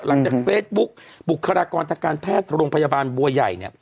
หลังจากเฟซบุ๊กบุคลากรรศการแพทย์โรงพยาบาลบัวใหญ่